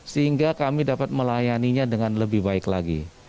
sehingga kami dapat melayaninya dengan lebih baik lagi